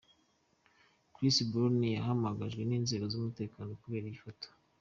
Chris Brown yahamagajwe n’inzego z’umutekano kubera iyi foto.